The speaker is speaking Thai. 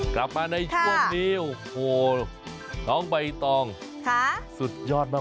กลับมาในช่วงนี้โอ้โหน้องใบตองสุดยอดมาก